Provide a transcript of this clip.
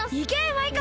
マイカ！